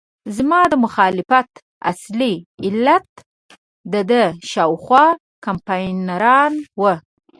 زما د مخالفت اصلي علت دده شاوخوا کمپاینران وو.